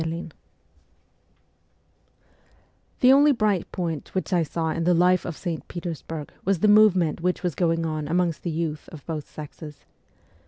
VI THE only bright point which I saw in the life of St. Petersburg was the movement which was going on amongst the youth of both sexes.